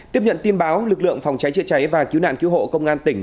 tiếp nhận tin báo lực lượng phòng cháy chữa cháy và cứu nạn cứu hộ công an tỉnh